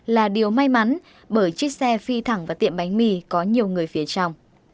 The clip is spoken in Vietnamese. là điều may mắn bởi chiếc xe phi thẳng vào tiệm bánh mì có nhiều người phía trong